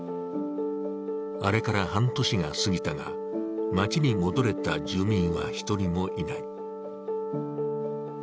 あれから半年が過ぎたが、町に戻れた住民は１人もいない。